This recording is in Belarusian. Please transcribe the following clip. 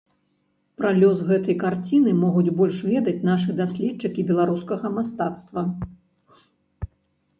Пра лёс гэтай карціны могуць больш ведаць нашы даследчыкі беларускага мастацтва.